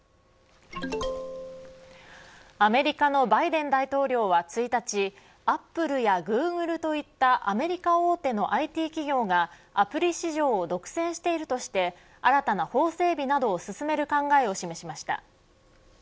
アメリカのバイデン大統領は１日アップルやグーグルといったアメリカ大手のＩＴ企業がアプリ市場を独占しているとして新たな法整備などを進める考えを示しました。